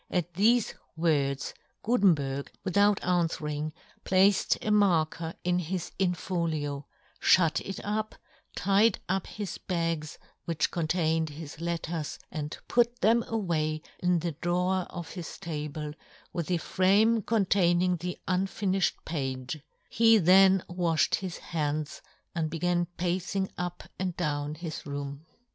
At thefe words, Gutenberg, with out anfwering, placed a marker in his in folio, ftiut it up, tied up his bags which contained his letters, and put them away in the drawer of his table, with the frame containing the unfiniftied page ; he then wafhed John Gutenberg. 39 his hands, and began pacing up and down his room.